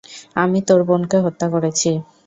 আমি তোর বোনকে হত্যা করেছি।